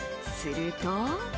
すると。